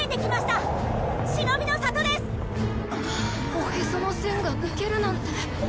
おへその栓が抜けるなんて。